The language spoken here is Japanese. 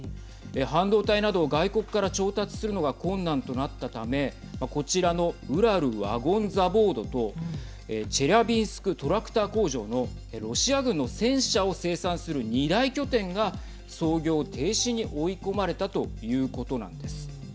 半導体などを外国から調達するのが困難となったためこちらのウラルワゴンザボードとチェリャビンスクトラクター工場のロシア軍の戦車を生産する２大拠点が操業停止に追い込まれたということなんです。